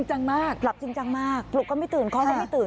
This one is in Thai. จังมากหลับจริงจังมากปลุกก็ไม่ตื่นเขาก็ไม่ตื่น